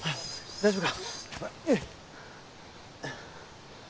大丈夫か？